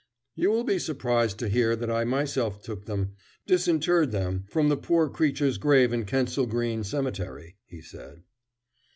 "You will be surprised to hear that I myself took them, disinterred them, from the poor creature's grave in Kensal Green Cemetery," he said.